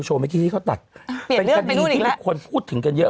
โหเล่นละครซีรีส์เก่งอย่างนี้